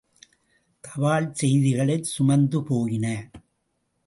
தபால் செய்திகளைச் சுமந்து போயின.